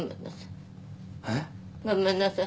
ごめんなさい。